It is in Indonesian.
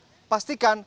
rumah basah terdekat